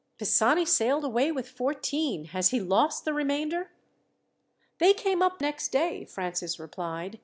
Pisani sailed away with fourteen. Has he lost the remainder?" "They came up next day," Francis replied.